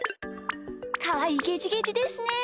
かわいいゲジゲジですね。